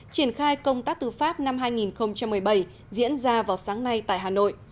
triển khai công tác tư pháp năm hai nghìn một mươi bảy diễn ra vào sáng nay tại hà nội